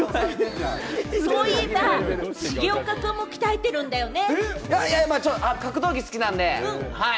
そういえば重岡君も鍛えているんだよね？